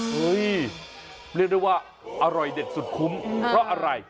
เรียกได้ว่าอร่อยเด็ดสุดคุ้มเพราะอะไร